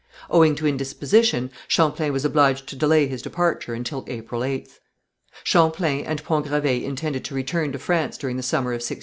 Owing to indisposition, Champlain was obliged to delay his departure until April 8th. Champlain and Pont Gravé intended to return to France during the summer of 1606.